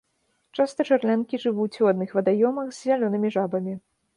Часта жарлянкі жывуць у адных вадаёмах з зялёнымі жабамі.